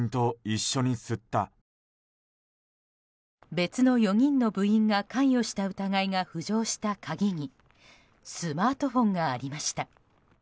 別の４人の部員が関与した疑いが浮上した鍵にスマートフォンがありました。